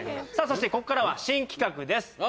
そしてここからは新企画です